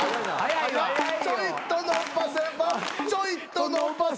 「ちょいと伸ばせばちょいと伸ばせば」